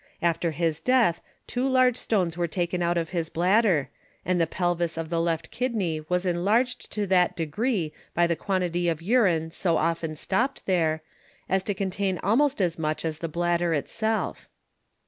After his death two large Stones were taken out of his Bladder, and the Pelvis of the left Kidney was enlarged to that degree by the quantity of Urine so often stopt there, as to contain almost as much as the Bladder it self.